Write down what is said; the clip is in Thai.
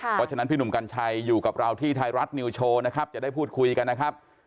เพราะฉะนั้นพี่หนุ่มกัญชัยอยู่กับเราที่ไทยรัฐนิวโชว์นะครับจะได้พูดคุยกันนะครับ